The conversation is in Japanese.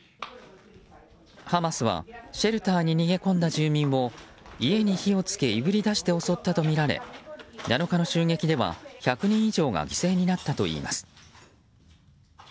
ハマスはシェルターに逃げ込んだ住民を家に火を付けいぶりだして襲ったとみられ７日の襲撃では１００人以上が犠牲になったといいます。